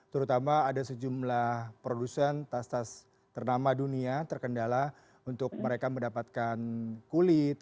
terutama ada sejumlah produsen tas tas ternama dunia terkendala untuk mereka mendapatkan kulit